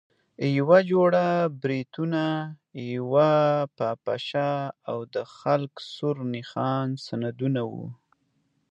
یوه جوړه بریتونه، یوه پاپشه او د خلق سور نښان سندونه وو.